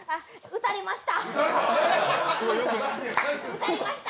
撃たれました。